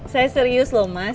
saya serius loh mas